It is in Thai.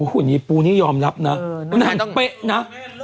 โอ้โหนี่ปูนี่ยอมรับนะนั่นเป๊ะนะ